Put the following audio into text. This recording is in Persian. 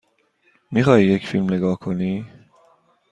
می خواهی یک فیلم نگاه کنی؟